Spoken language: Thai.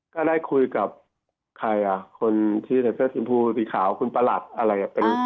ก็ได้คุยกับใครอ่ะคนที่ใส่เสื้อสินภูติขาวคุณประหลัดอะไรอย่างนี้